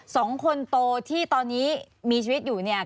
สองคนโตที่ตอนนี้มีชีวิตอยู่เนี่ย